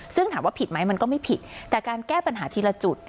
ซึ่งถามว่าผิดไหมมันก็ไม่ผิดแต่การแก้ปัญหาทีละจุด